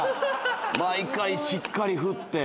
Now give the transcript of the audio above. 毎回、しっかり振って。